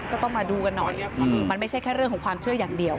ก็ต้องมาดูกันหน่อยมันไม่ใช่แค่เรื่องของความเชื่ออย่างเดียว